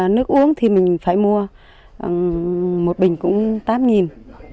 nước uống thì mình phải mua một bình cũng tám